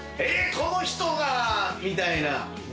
この人！がみたいな。